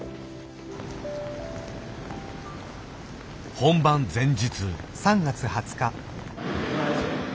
本番前日。